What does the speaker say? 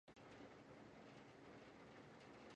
მუს ი კუ̂არემ ჩუ ხაზნა, მარე გუნ მჷცხი მა̄მა ლი.